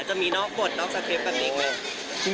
จะมีนอกบทนอกสคริปต์แบบนี้เลย